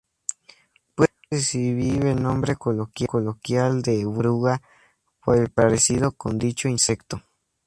Puede recibir el nombre coloquial de "bus oruga" por el parecido con dicho insecto.